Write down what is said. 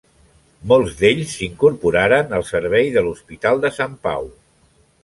Molts d'ells s'incorporaren al servei de l'Hospital de Sant Pau.